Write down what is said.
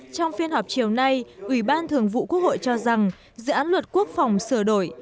trong phiên họp chiều nay ủy ban thường vụ quốc hội cho rằng dự án luật quốc phòng sửa đổi